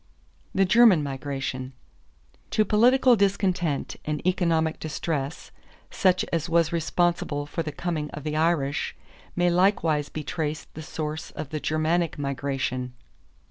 The German Migration. To political discontent and economic distress, such as was responsible for the coming of the Irish, may likewise be traced the source of the Germanic migration.